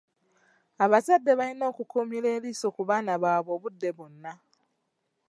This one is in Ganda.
Abazadde balina okukuumira eriiso ku baana baabwe obudde bwonna.